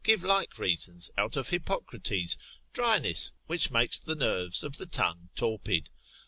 give like reasons out of Hippocrates, dryness, which makes the nerves of the tongue torpid.